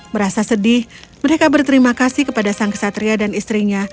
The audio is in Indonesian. merasa sedih mereka berterima kasih kepada sang kesatria dan istrinya